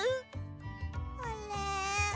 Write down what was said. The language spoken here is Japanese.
あれ？